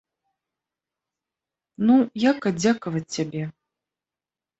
Ну, як аддзякаваць цябе?!